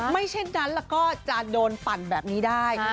เช่นนั้นแล้วก็จะโดนปั่นแบบนี้ได้